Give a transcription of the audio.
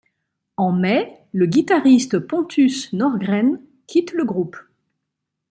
En mai, le guitariste Pontus Norgren quitte le groupe.